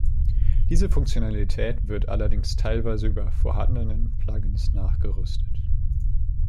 Diese Funktionalität wird allerdings teilweise über vorhandenen Plugins nachgerüstet.